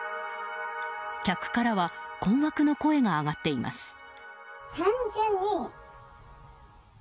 客からは困惑の声が上がっています。